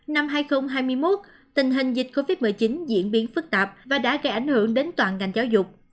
năm hai nghìn hai mươi một tình hình dịch covid một mươi chín diễn biến phức tạp và đã gây ảnh hưởng đến toàn ngành giáo dục